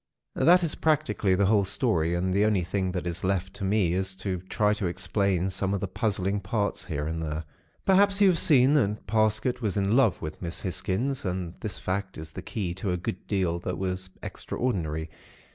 "That is practically the whole story; and the only thing that is left to me is to try to explain some of the puzzling parts, here and there. "Perhaps you have seen that Parsket was in love with Miss Hisgins; and this fact is the key to a good deal that was extraordinary.